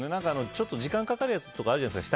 ちょっと時間かかるやつとかあるじゃないですか。